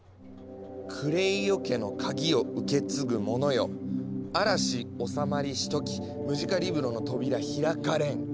「クレイオ家の鍵を受け継ぐ者よ嵐収まりし時ムジカリブロの扉開かれん」。